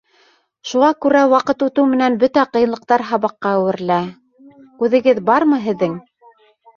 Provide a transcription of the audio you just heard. Шуға күрә ваҡыт үтеү менән бөтә ҡыйынлыҡтар һабаҡҡа әүерелә. Күҙегеҙ бармы һеҙҙең?!